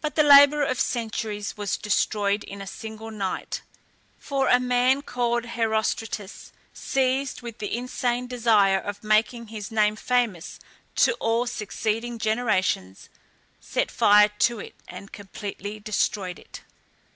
But the labour of centuries was destroyed in a single night; for a man called Herostratus, seized with the insane desire of making his name famous to all succeeding generations, set fire to it and completely destroyed it.